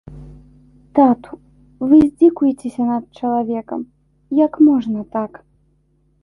Тату, вы здзекуецеся над чалавекам, як можна так.